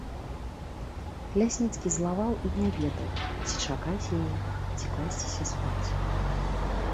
Лясніцкі злаваў і не ведаў, ці чакаць яе, ці класціся спаць.